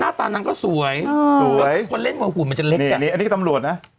น่าตานางก็สวยคนเล่นหัวหุ่นมันจะเล็กกันนี่อันนี้ก็ตำรวจนะ